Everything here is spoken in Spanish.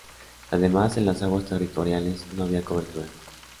Además, en las aguas territoriales no había cobertura.